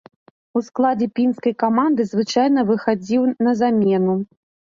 У складзе пінскай каманды звычайна выхадзіў на замену.